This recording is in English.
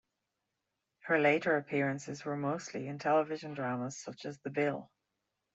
Her later appearances were mostly in television dramas such as "The Bill".